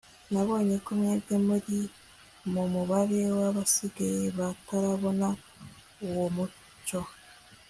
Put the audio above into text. nabonye ko mwebwe muri mu mubare w'abasigaye batarabona uwo mucyo